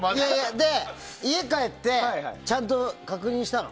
で、家帰ってちゃんと確認したの。